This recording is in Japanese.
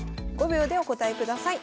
５秒でお答えください。